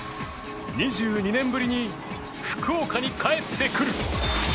２２年ぶりに福岡に帰ってくる！